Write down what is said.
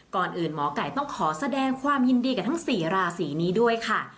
ก่อนอื่นหมอไก่ต้องขอแสดงความยินดีกับทั้ง๔ราศีนี้ด้วยค่ะ